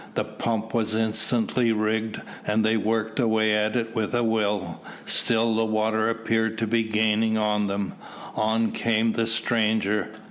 The pump was instantly rigged, and they worked away at it with a will. Still the water appeared to be gaining on them. On came the stranger.